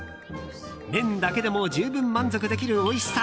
麺だけでも十分満足できるおいしさ。